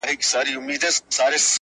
د بونېر د نجونو نوم په خولۀ وامۀخله